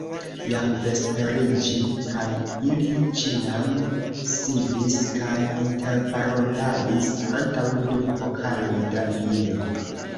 Jam vesperiĝis, kaj ili ĉiam sidis kaj interparoladis antaŭ du pokaloj da vino.